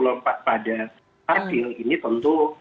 lompat pada april ini tentu